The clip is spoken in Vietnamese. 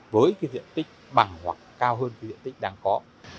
với cái diện tích bằng hoặc cao hơn cái diện tích đang có